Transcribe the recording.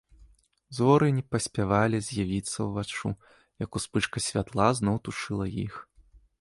Зоры не паспявалі з'явіцца ўваччу, як успышка святла зноў тушыла іх.